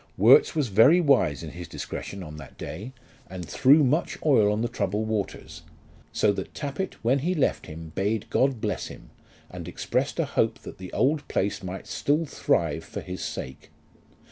Worts was very wise in his discretion on that day, and threw much oil on the troubled waters; so that Tappitt when he left him bade God bless him, and expressed a hope that the old place might still thrive for his sake.